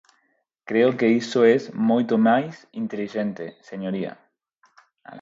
Creo que iso é moito máis intelixente, señoría.